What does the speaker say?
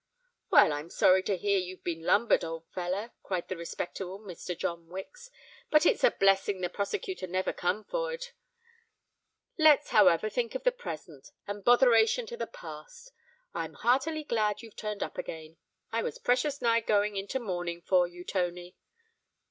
"Well, I'm sorry to hear you've been lumbered, old feller," cried the respectable Mr. John Wicks; "but it's a blessin' the prosecutor never come for'ard. Let's, however, think of the present; and botheration to the past. I'm heartily glad you've turned up again. I was precious nigh going into mourning for you, Tony.